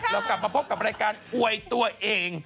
เรากลับมาพบกับรายการอวยตัวเอง